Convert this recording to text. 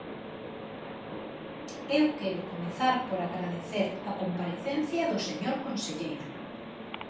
Eu quero comezar por agradecer a comparecencia do señor conselleiro.